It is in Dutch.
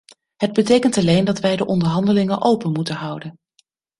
Het betekent alleen dat wij de onderhandelingen open moeten houden.